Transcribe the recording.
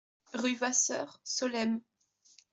Rue Vasseur, Solesmes